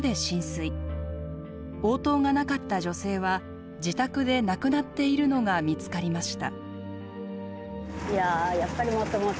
応答がなかった女性は自宅で亡くなっているのが見つかりました。